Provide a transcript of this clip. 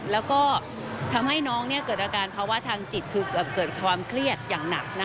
แล้วก็ทำให้น้องเกิดอาการภาวะทางจิตคือเกิดความเครียดอย่างหนัก